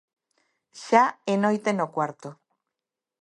Xa é noite no cuarto.